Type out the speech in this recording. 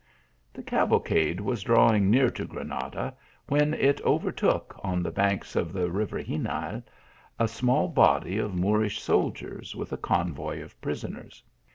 The cavalcade was drawing near to Granada, when it overtook, on the banks of the river Xenil, a small body of Moorish soldiers, with a convoy of prisoners.